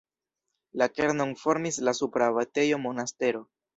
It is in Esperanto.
La kernon formis la supra abatejo Monastero.